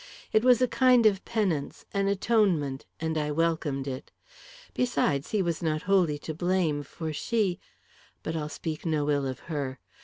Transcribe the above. It was a kind of penance an atonement and I welcomed it. Besides, he was not wholly to blame, for she but I'll speak no ill of her.